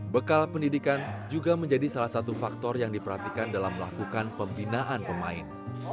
bekal pendidikan juga menjadi salah satu faktor yang diperhatikan dalam melakukan pembinaan pemain